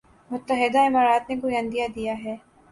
متحدہ امارات نے کوئی عندیہ دیا ہے۔